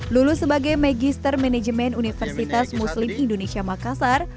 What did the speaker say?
lulus sebagai magister manajemen universitas muslim indonesia makassar